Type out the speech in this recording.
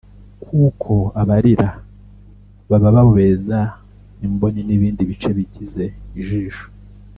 kuko abarira baba babobeza imboni n’ibindi bice bigize ijisho